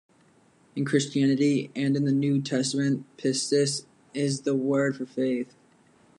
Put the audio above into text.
In Christianity and in the New Testament, Pistis is the word for "faith".